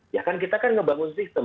ya kan kita kan ngebangun sistem